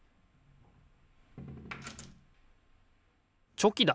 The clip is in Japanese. チョキだ！